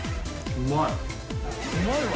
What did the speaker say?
うまいわ。